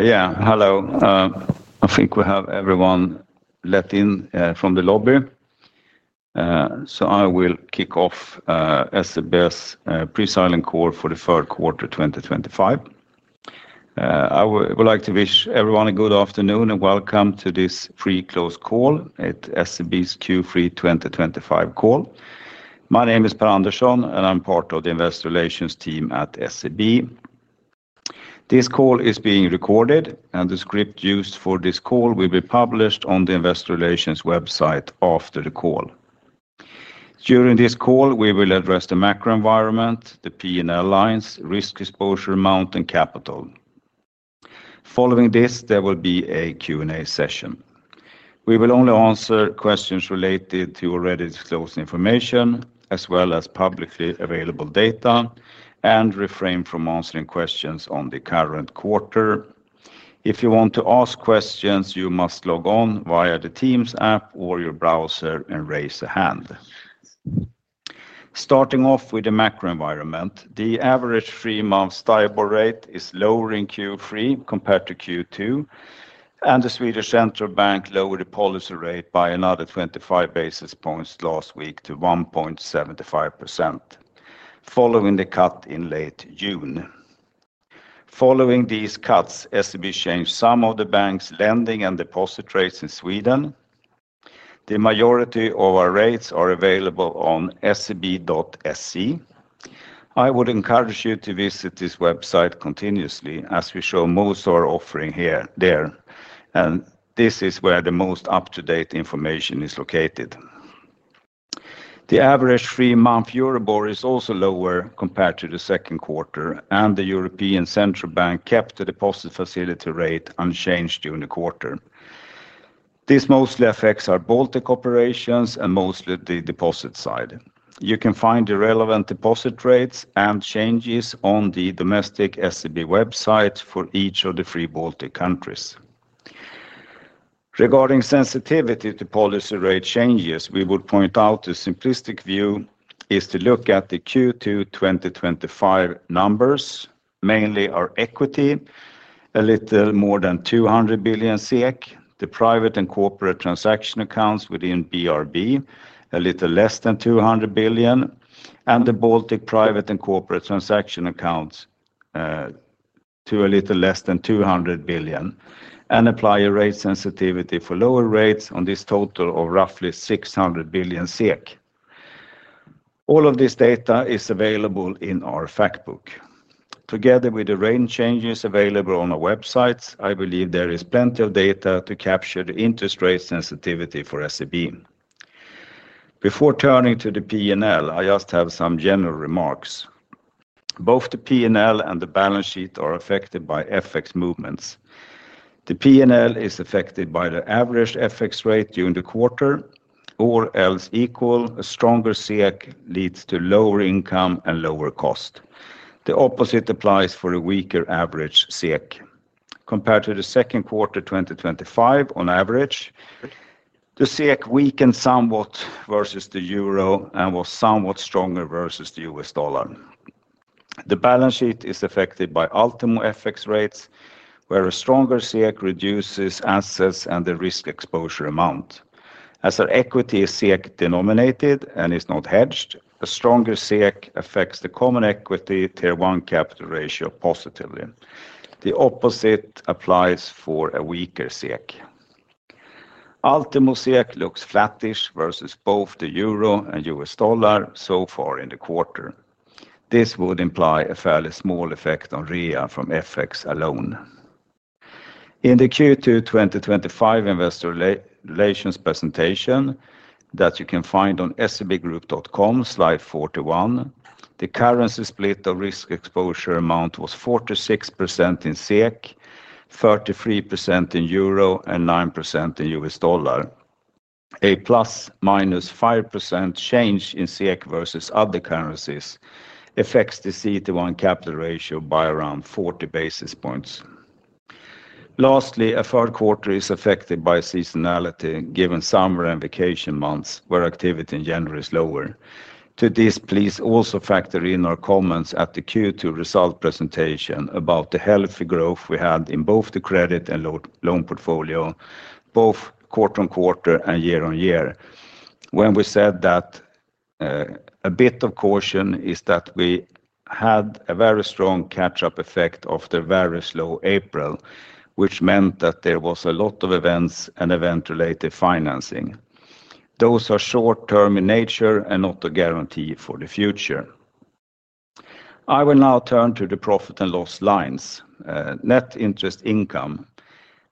Yeah, hello. I think we have everyone let in from the lobby, so I will kick off SEB's pre-silent call for the third quarter 2025. I would like to wish everyone a good afternoon and welcome to this pre-closed call at SEB's Q3 2025 call. My name is Par Andersson and I'm part of the Investor Relations team at SEB. This call is being recorded, and the script used for this call will be published on the Investor Relations website after the call. During this call, we will address the macro environment, the P&L lines, risk exposure amount, and capital. Following this, there will be a Q&A session. We will only answer questions related to already sourced information as well as publicly available data and refrain from answering questions on the current quarter. If you want to ask questions, you must log on via the Teams app or your browser and raise a hand. Starting off with the macro environment, the average 3-month Stibor rate is lower in Q3 compared to Q2, and the Riksbank lowered the policy rate by another 25 basis points last week to 1.75% following the cut in late June. Following these cuts, SEB changed some of the bank's lending and deposit rates in Sweden. The majority of our rates are available on SEB.se. I would encourage you to visit this website continuously as we show most of our offerings there, and this is where the most up-to-date information is located. The average 3-month Euribor is also lower compared to the second quarter, and the European Central Bank kept the deposit facility rate unchanged during the quarter. This mostly affects our Baltic operations and mostly the deposit side. You can find the relevant deposit rates and changes on the domestic SEB website for each of the three Baltic countries. Regarding sensitivity to policy rate changes, we would point out the simplistic view is to look at the Q2 2025 numbers, mainly our equity a little more than 200 billion SEK, the private and corporate transaction accounts within CIB a little less than 200 billion, and the Baltic private and corporate transaction accounts a little less than 200 billion, and apply a rate sensitivity for lower rates on this total of roughly 600 billion SEK. All of this data is available in our factbook together with the rate changes available on our websites. I believe there is plenty of data to capture the interest rate sensitivity for SEB. Before turning to the P&L, I just have some general remarks. Both the P&L and the balance sheet are affected by FX movements. The P&L is affected by the average FX rate during the quarter. A stronger SEK leads to lower income and lower cost. The opposite applies for a weaker average SEK compared to the second quarter 2025. On average, the SEK weakened somewhat versus the Euro and was somewhat stronger versus the US Dollar. The balance sheet is affected by Ultimo FX rates where a stronger SEK reduces assets and the risk exposure amount. As our equity is SEK denominated and is not hedged, a stronger SEK affects the Common Equity Tier 1 capital ratio positively. The opposite applies for a weaker SEK. Ultimo SEK looks flattish versus both the Euro and US Dollar so far in the quarter. This would imply a fairly small effect on REA from FX alone. In the Q2 2025 investor relations presentation that you can find on sebgroup.com, slide 41, the currency split of risk exposure amount was 46% in SEK, 33% in Euro, and 9% in US Dollar. A plus minus 5% change in SEK versus other currencies affects the CET1 capital ratio by around 40 basis points. Lastly, a third quarter is affected by seasonality given summer and vacation months where activity in July is lower. To this, please also factor in our comments at the Q2 result presentation about the healthy growth we had in both the credit and loan portfolio both quarter on quarter and year on year. When we said that a bit of caution is that we had a very strong catch up effect after a very slow April which meant that there was a lot of events and event related financing. Those are short term in nature and not a guarantee for the future. I will now turn to the profit and loss lines net interest income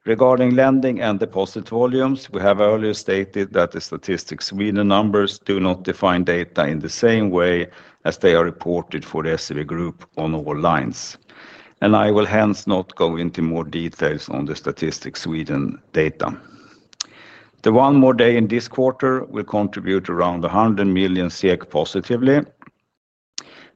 regarding lending and deposit volumes. We have earlier stated that the statistics we, the numbers, do not define data in the same way as they are reported for the SEB group on all lines and I will hence not go into more details on the Statistics Sweden data. The one more day in this quarter will contribute around 100 million positively.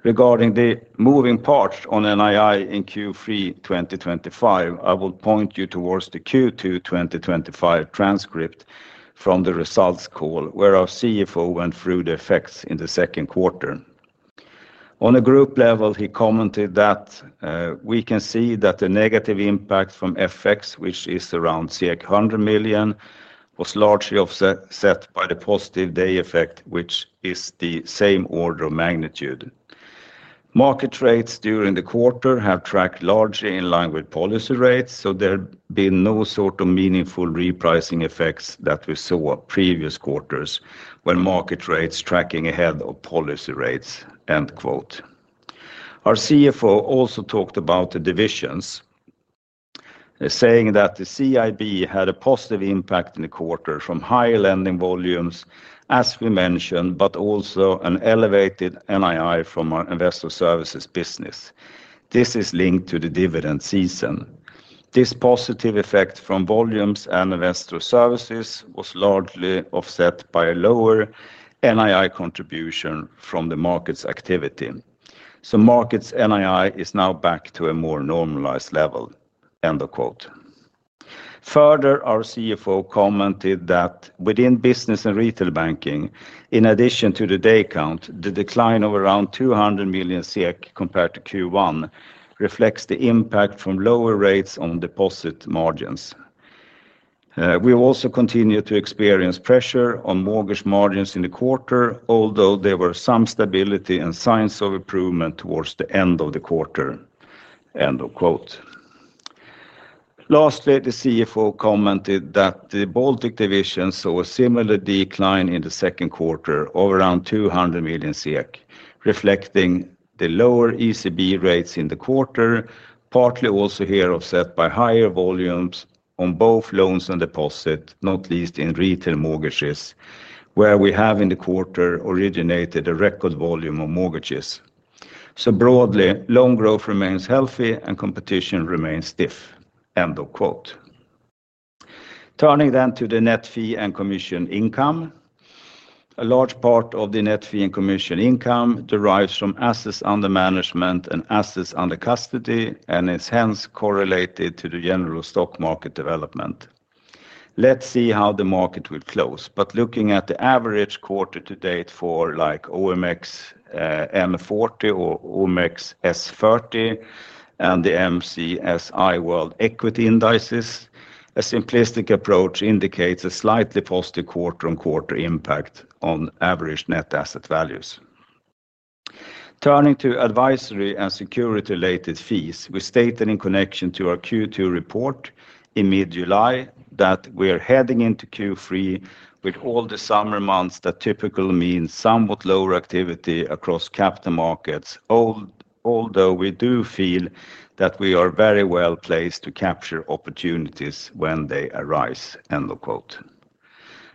Regarding the moving parts on NII in Q3 2025, I will point you towards the Q2 2025 transcript from the results call where our CFO went through the effects in the second quarter. On a group level, he commented that we can see that the negative impact from FX, which is around 600 million, was largely offset by the positive day effect, which is the same order of magnitude. Market rates during the quarter have tracked largely in line with policy rates, so there been no sort of meaningful repricing effects that we saw previous quarters when market rates tracking ahead of policy rates trends, end quote. Our CFO also talked about the divisions, saying that the CIB had a positive impact in the quarter from higher lending volumes as we mentioned, but also an elevated NII from our investor services business. This is linked to the dividend season. This positive effect from volumes and investor services was largely offset by a lower NII contribution from the market's activity. Markets NII is now back to a more normalized level, end of quote. Further, our CFO commented that within business and retail banking, in addition to the day count, the decline of around 200 million compared to Q1 reflects the impact from lower rates on deposit margins. We also continue to experience pressure on mortgage margins in the quarter, although there were some stability and signs of improvement towards the end of the end of quote. Lastly, the CFO commented that the Baltic division saw a similar decline in the second quarter of around 200 million, reflecting the lower ECB rates in the quarter, partly also here offset by higher volumes on both loans and deposits, not least in retail mortgages where we have in the quarter originated a record volume of mortgages. Broadly, loan growth remains healthy and competition remains stiff, end of quote. Turning then to the net fee and commission income, a large part of the net fee and commission income derives from assets under management and assets under custody and is hence correlated to the general stock market development. Let's see how the market will close. Looking at the average quarter to date for like OMX M40 or OMX S30 and the MSCI World Equity indices, a simplistic approach indicates a slightly positive quarter on quarter impact on average net asset values. Turning to advisory and security related fees, we stated in connection to our Q2 report in mid July that we are heading into Q3 with all the summer months. That typically means somewhat lower activity across capital markets, although we do feel that we are very well placed to capture opportunities when they arise, end of quote.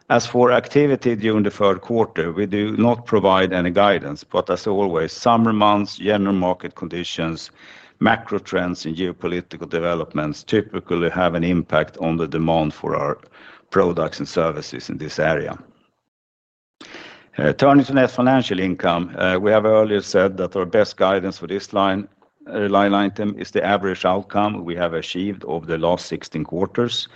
As for activity during the third quarter, we do not provide any guidance, but as always, summer months, general market conditions, macro trends, and geopolitical developments typically have an impact on the demand for our products and services in this area. Turning to net financial income, we have earlier said that our best guidance for this line item is the average outcome we have achieved over the last 16 quarters.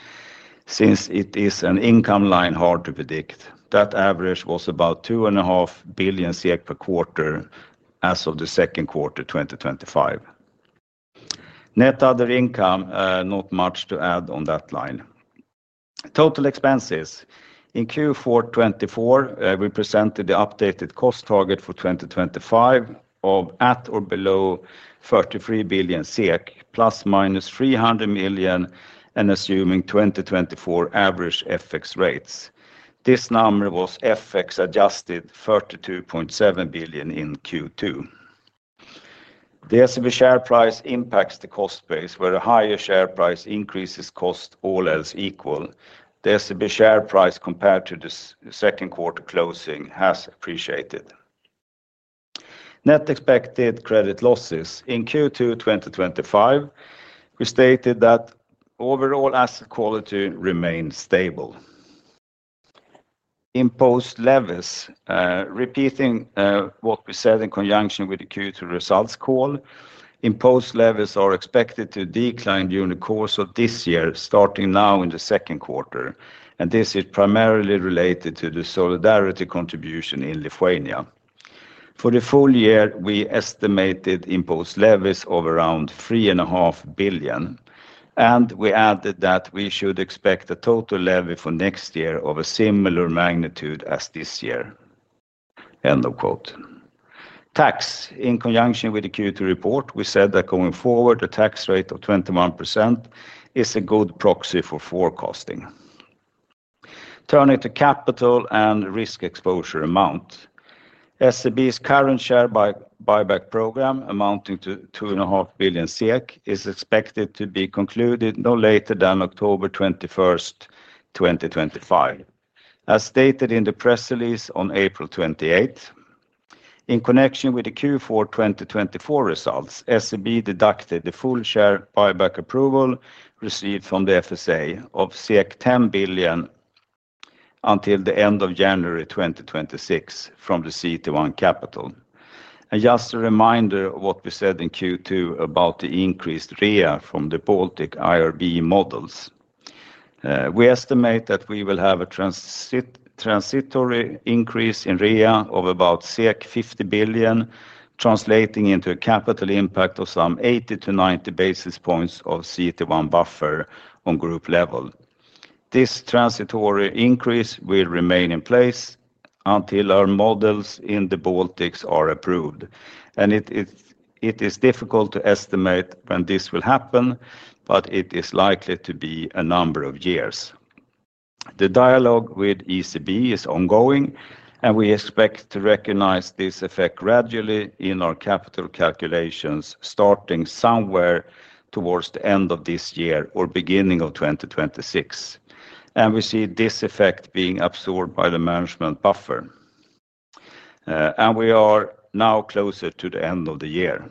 Since it is an income line hard to predict, that average was about 2.5 billion SEK per quarter as of 2025-02-02. Net other income, not much to add on that line. Total expenses in Q4 2024, we presented the updated cost target for 2025 of at or below 33 billion SEK, plus minus 300 million, and assuming 2024 average FX rates, this number was FX adjusted 32.7 billion in Q2. The S&P share price impacts the cost base, where a higher share price increases cost. All else equal, the SEB share price compared to the second quarter closing has appreciated. Net expected credit losses in Q2 2025, we stated that overall asset quality remained stable. Imposed levies, repeating what we said in conjunction with the Q2 results call, imposed levies are expected to decline during the course of this year, starting now in the second quarter, and this is primarily related to the Solidarity contribution in Lithuania. For the full year, we estimated imposed levies of around 3.5 billion, and we added that we should expect a total levy for next year of a similar magnitude as this year. End of quote. Tax, in conjunction with the Q2 report, we said that going forward, the tax rate of 21% is a good proxy for forecasting. Turning to capital and risk exposure amount, SEB's current share buyback program amounting to 2.5 billion is expected to be concluded no later than October 21, 2025. As stated in the press release on April 28 in connection with the Q4 2024 results, SEB deducted the full share buyback approval received from the FSA of 10 billion until the end of January 2026 from the CET1 capital. Just a reminder of what we said in Q2 about the increased REA from the Baltic IRB models, we estimate that we will have a transitory increase in REA of about 50 billion, translating into a capital impact of some 80 to 90 basis points of CET1 buffer on group level. This transitory increase will remain in place until our models in the Baltics are approved, and it is difficult to estimate when this will happen, but it is likely to be a number of years. The dialogue with the European Central Bank is ongoing and we expect to recognize this effect gradually in our capital calculations starting somewhere towards the end of this year or beginning of 2026, and we see this effect being absorbed by the management buffer. We are now closer to the end of the year.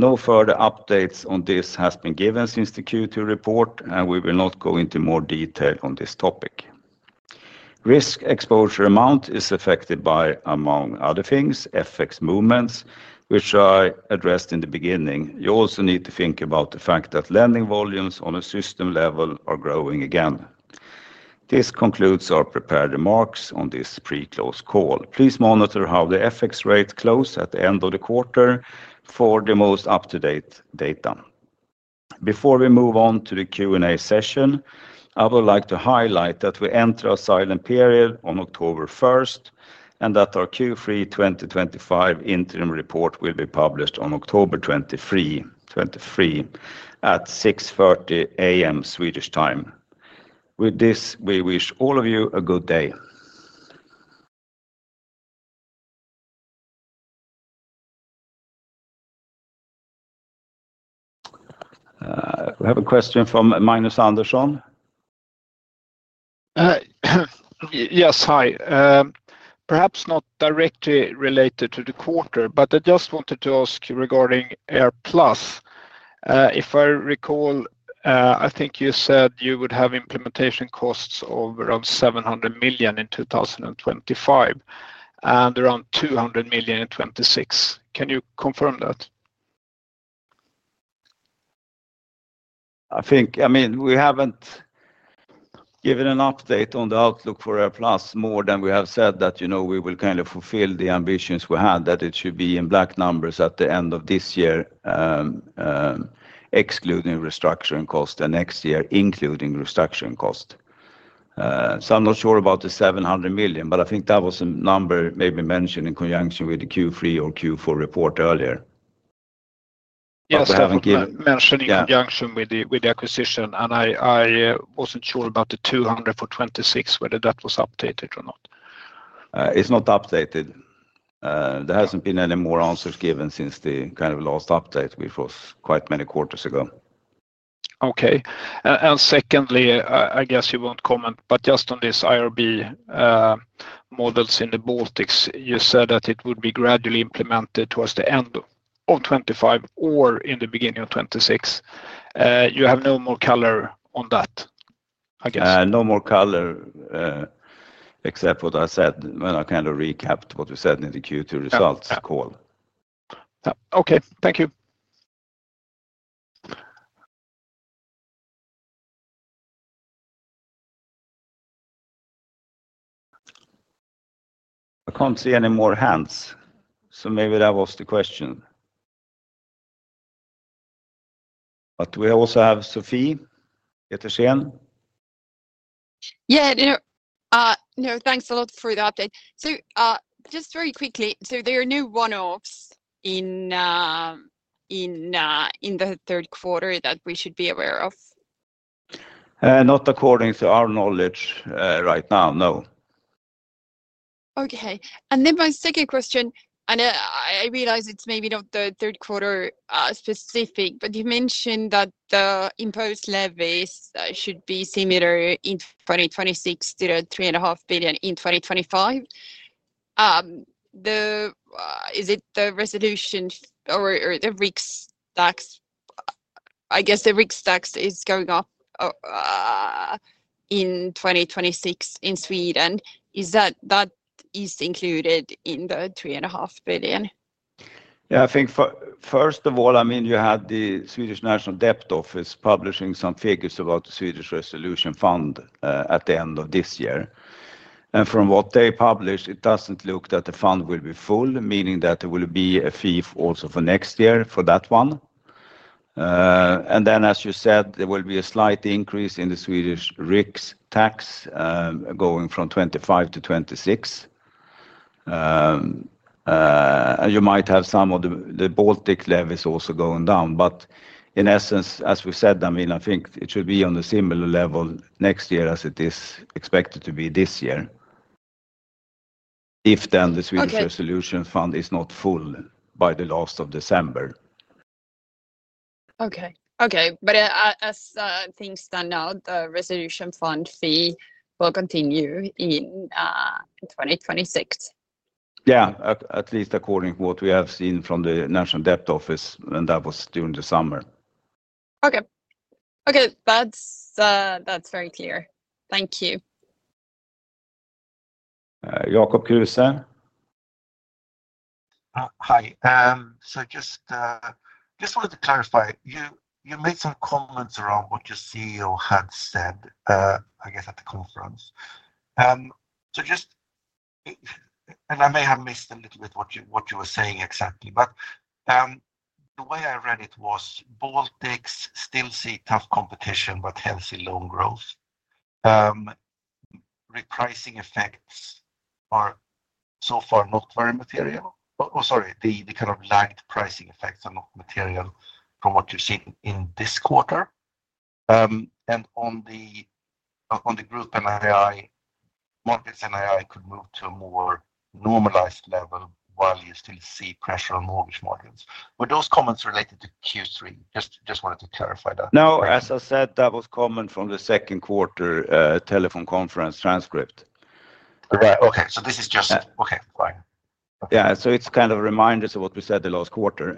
No further updates on this have been given since the Q2 report, and we will not go into more detail on this topic. Risk exposure amount is affected by, among other things, FX movements, which I addressed in the beginning. You also need to think about the fact that lending volumes on a system level are growing again. This concludes our prepared remarks on this pre-close call. Please monitor how the FX rates close at the end of the quarter for the most up-to-date data. Before we move on to the Q&A session, I would like to highlight that we enter silent period on October 1 and that our Q3 2025 interim report will be published on October 23, 2025 at 6:30 A.M. Swedish time. With this, we wish all of you a good day. We have a question from Magnus Andersson. Yes, hi. Perhaps not directly related to the quarter, but I just wanted to ask you regarding AirPlus. If I recall, I think you said you would have implementation costs of around 700 million in 2025 and around 200 million in 2026. Can you confirm that? I think. I mean, we haven't given an update on the outlook for AirPlus more than we have said that, you know, we will kind of fulfill the ambitions we had that it should be in black numbers at the end of this year, excluding restructuring costs, the next year including restructuring cost. I'm not sure about the 700 million, but I think that was a number maybe mentioned in conjunction with the Q3 or Q4 report earlier. Yes, I mentioned in conjunction with the acquisition, and I wasn't sure about the 200 for 26, whether that was updated or not. It's not updated. There hasn't been any more answers given since the kind of last update, which was quite many quarters ago. Okay. Secondly, I guess you won't comment, but just on this IRB models in the Baltics. You said that it would be gradually implemented towards the end of 2025 or in the beginning of 2026. You have no more color on that, I guess. No more color, except what I said when I recapped what we said in the Q2 results call. Okay, thank you. I can't see any more hands, so maybe that was the question. We also have Sophie. Thanks a lot for the update. Just very quickly, there are no one offs in the third quarter that we should be aware of? Not according to our knowledge right now, no. Okay, and then my second question, I realize it's maybe not the third quarter specific, but you mentioned that the imposed levies should be similar in 2026 to 3.5 billion in 2025. Is it the resolution or the Riksbank tax? I guess the Riksbank tax is going up in 2026 in Sweden. Is that included in the 3.5 billion? Yeah, I think first of all, you had the Swedish National Debt Office publishing some figures about the Swedish Resolution Fund at the end of this year. From what they published, it doesn't look like the fund will be full, meaning that there will be a fee also for next year for that one. As you said, there will be a slight increase in the Swedish risk tax going from 25% to 26%. You might have some of the Baltic levies also going down. In essence, as we said, I think it should be on a similar level next year as it is expected to be this year if the Swedish Resolution Fund is not full by the last of December. Okay. Okay. As things stand out, the resolution fund fee will continue in 2026. Yeah, at least according to what we have seen from the National Debt Office, that was during the summer. Okay. Okay. That's very clear. Thank you. Jakob Kiryuzan. Hi. I just wanted to clarify. You made some comments around what your CEO had said, I guess at the conference. I may have missed a little bit of what you were saying exactly. The way I read it was Baltics still see tough competition but healthy loan growth. Repricing effects are so far not very material. Sorry, the kind of lagged pricing effects are not material from what you've seen in this quarter and on the group and AI Mortgage. AI could move to a more normalized level while you still see pressure on mortgage modules. Were those comments related to Q3? I just wanted to clarify that. No, as I said, that was comment from the second quarter. Telephone conference transcript. Right. Okay, this is just okay. Quiet. Yeah, it's kind of reminders of what we said the last quarter.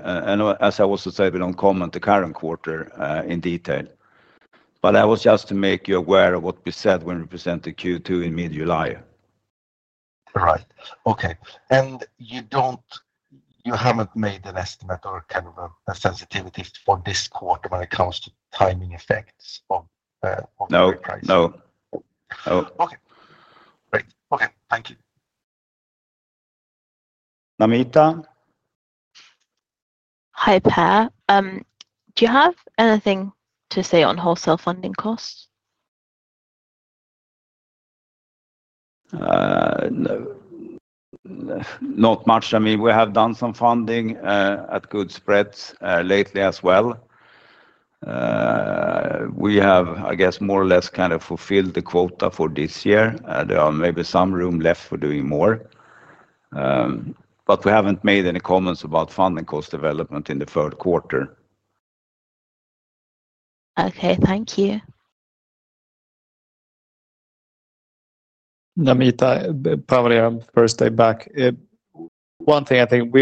As I also said, we don't comment the current quarter in detail, but that was just to make you aware of what we said when we presented Q2 in mid July. Right. Okay. You haven't made an estimate or kind of a sensitivity for this quarter when it comes to timing effects. No. Oh, okay. Okay. Thank you. Hi, Per, do you have anything to say on wholesale funding costs? Not much. I mean, we have done some funding at good spreads lately as well. We have, I guess, more or less kind of fulfilled the quota for this year. There is maybe some room left for doing more, but we haven't made any comments about funding cost development in the third quarter. Okay, thank you. Probably I'm first day back. One thing I think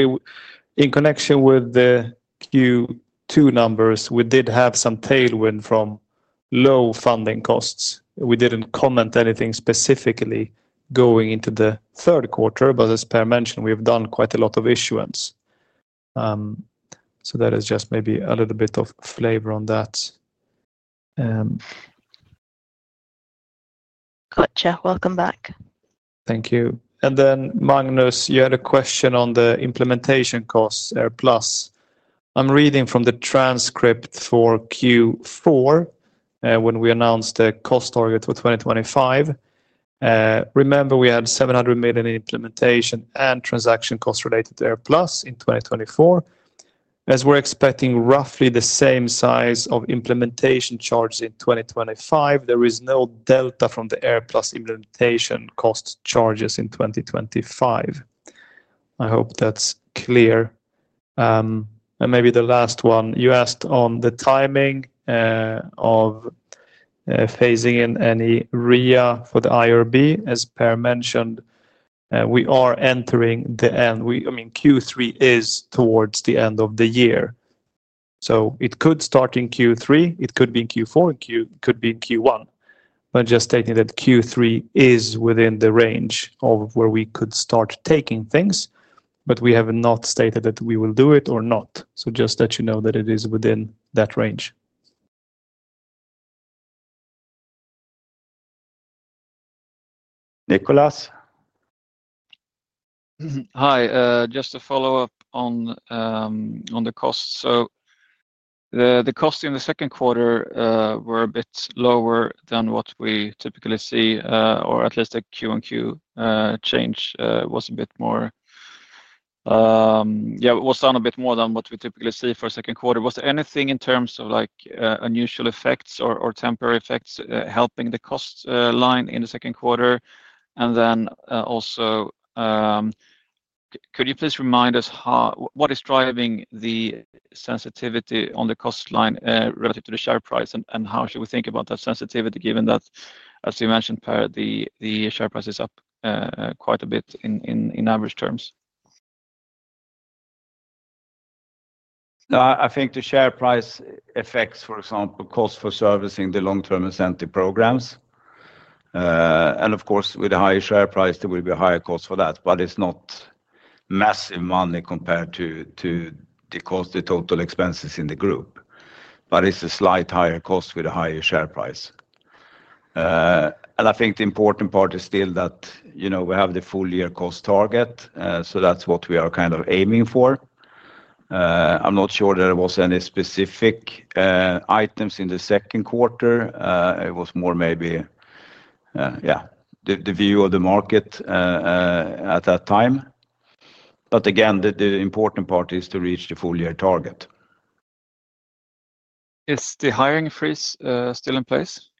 in connection with the Q2 numbers, we did have some tailwind from low funding costs. We didn't comment anything specifically going into the third quarter. As per mentioned, we have done quite a lot of issuance. That is just maybe a little bit of flavor on that. Gotcha. Welcome back. Thank you. Magnus, you had a question on the implementation costs. AirPlus, I'm reading from the transcript for Q4. When we announced the cost target for 2025, remember we had 700 million in implementation and transaction cost related to AirPlus in 2024. We're expecting roughly the same size of implementation charges in 2025. There is no delta from the AirPlus implementation cost charges in 2025. I hope that's clear. Maybe the last one you asked on the timing of phasing in any REA for the IRB. As per mentioned, we are entering the end. We. Q3 is towards the end of the year, so it could start in Q3, it could be in Q4, it could be in Q1. I'm just stating that Q3 is within the range of where we could start taking things. We have not stated that we will do it or not. Just let you know that it is within that range. Nicholas. Hi, just a follow-up on the costs. The cost in the second quarter were a bit lower than what we typically see. The Q1Q change was a bit more. It was down a bit more than what we typically see for the second quarter. Was there anything in terms of unusual effects or temporary effects helping the cost line in the second quarter? Also, could you please remind us what is driving the sensitivity on the cost line relative to the share price and how should we think about that sensitivity given that, as you mentioned, the share price is up quite a bit in average terms. I think the share price affects, for example, cost for servicing the long-term incentive programs. Of course, with a higher share price there will be higher cost for that, but it's not massive money compared to the total expenses in the group. It's a slight higher cost with a higher share price. I think the important part is still that, you know, we have the full-year cost target, so that's what we are kind of aiming for. I'm not sure there were any specific items in the second quarter. It was more maybe the view of the market at that time. The important part is to reach the full-year target. Is the hiring freeze still in place?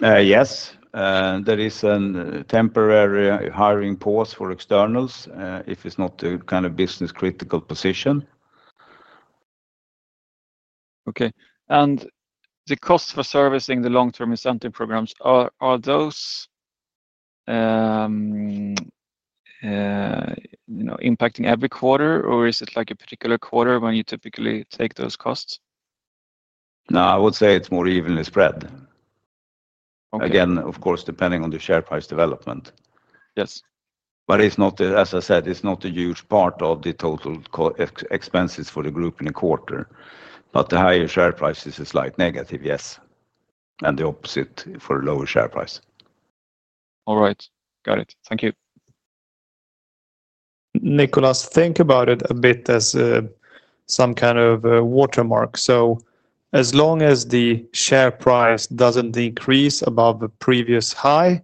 Yes, there is a temporary hiring pause for externals if it's not a kind of business critical position. Okay. Are the costs for servicing the long-term incentive programs impacting every quarter, or is it a particular quarter when you typically take those costs? No, I would say it's more evenly spread. Again, of course, depending on the share price development. Yes, it's not a huge part of the total expenses for the group in a quarter. The higher share prices is like, negative, and the opposite for a lower share price. All right, got it. Thank you. Think about it a bit as some kind of watermark. As long as the share price doesn't increase above the previous high,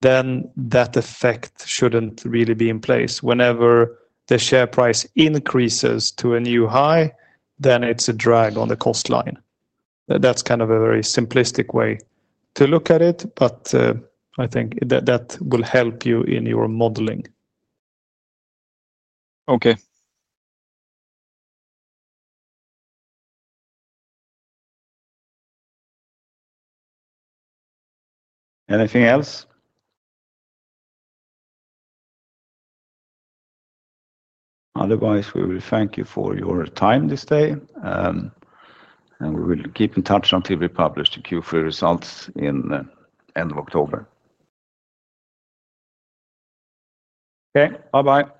then that effect shouldn't really be in place. Whenever the share price increases to a new high, then it's a drag on the cost line. That's kind of a very simplistic way to look at it, but I think that that will help you in your modeling. Okay. Anything else? Otherwise, we will thank you for your time this day, and we will keep in touch until we publish the Q3 results in end of October. Okay, bye. Bye.